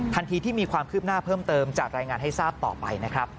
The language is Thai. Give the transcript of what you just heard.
ทันทีที่มีความคืบหน้าเพิ่มเติมจะรายงานให้ทราบต่อไปนะครับ